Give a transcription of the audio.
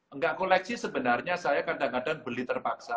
enggak koleksi sebenarnya saya kadang kadang beli terpaksa